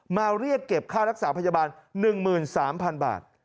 มาเรียกเก็บค่ารักษาพยาบาล๑๓๐๐๐บาท